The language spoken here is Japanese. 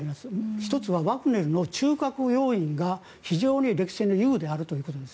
１つはワグネルの中核要員が非常に歴戦の雄であるということです。